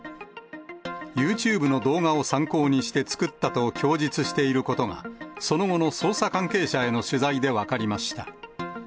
ユーチューブの動画を参考にして作ったと供述していることがその後の捜査関係者への取材で分かりました。